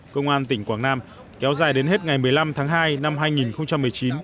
công an tỉnh quảng nam kéo dài đến hết ngày một mươi năm tháng hai năm hai nghìn một mươi chín